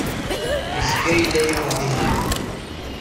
Yezga yella yiwen dihin.